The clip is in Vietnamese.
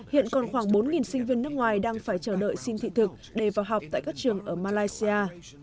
hiện còn khoảng bốn sinh viên nước ngoài đang phải chờ đợi xin thị thực để vào học tại các trường ở malaysia